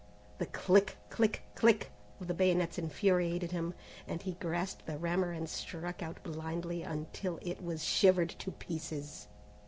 The click! click! click! of bayonets infuriated him, and he grasped the rammer and struck out blindly until it was shivered to pieces.